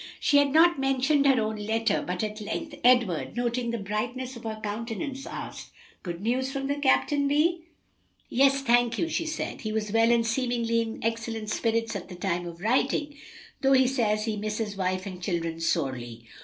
She had not mentioned her own letter, but at length Edward, noting the brightness of her countenance, asked, "Good news from the captain, Vi?" "Yes, thank you," she said; "he was well and seemingly in excellent spirits at the time of writing, though he says he misses wife and children sorely."